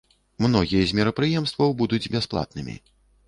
Многія з мерапрыемстваў будуць бясплатнымі.